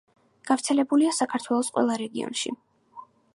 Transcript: გავრცელებულია საქართველოს ყველა რაიონში.